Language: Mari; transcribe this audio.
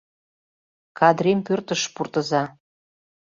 Кадрим пӧртыш пуртыза!